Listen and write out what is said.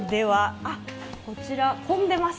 こちら、混んでいます。